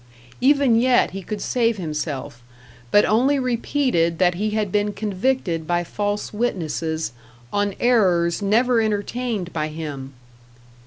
Even yet he could save himself, but only repeated that he had been convicted by false witnesses on errors never entertained by him.